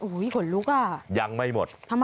โอ้โหขนลุกอ่ะยังไม่หมด